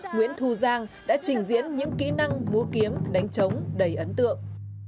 nguyễn thu giang đã trình diễn những kỹ năng múa kiếm đánh trống đầy ấn tượng